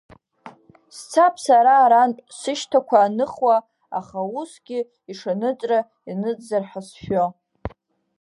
Сцап сара арантә сышьҭақәа аныхуа, аха усгьы ишаныҵра ианыҵзар ҳәа сшәо.